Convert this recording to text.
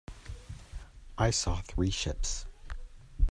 I saw three ships.